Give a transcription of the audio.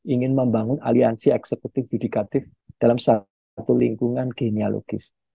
ingin membangun aliansi eksekutif yudikatif dalam satu lingkungan genealogis